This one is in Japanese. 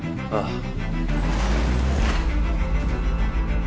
ああ。